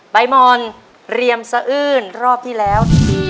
ใบมอนเรียมสะอื้นรอบที่แล้ว